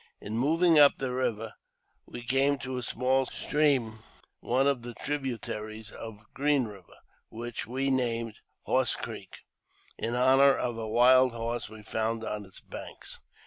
In moving up the river we came to a small stream — one of the tributaries of Green Eiver — which we named " Horse Creek," in honour of a wild horse we found on its banks.